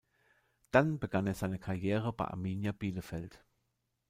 Dann begann er seine Karriere bei Arminia Bielefeld.